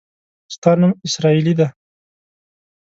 ستا نوم اسراییلي دی.